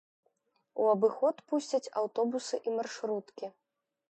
У абыход пусцяць аўтобусы і маршруткі.